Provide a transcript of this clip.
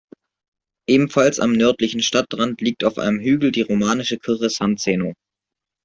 Ebenfalls am nördlichen Stadtrand liegt auf einem Hügel die romanische Kirche San Zeno.